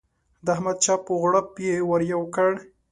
د احمد چپ و غړوپ يې ور یو کړ.